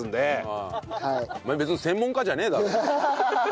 お前別に専門家じゃねえだろ。